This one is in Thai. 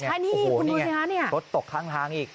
ใช่นี่คุณดูนี่ค่ะรถตกข้างทางอีก